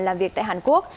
làm việc tại hàn quốc